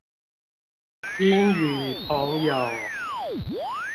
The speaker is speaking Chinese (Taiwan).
英語朋友